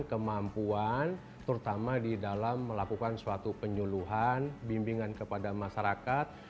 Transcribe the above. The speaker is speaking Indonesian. kemampuan terutama di dalam melakukan suatu penyuluhan bimbingan kepada masyarakat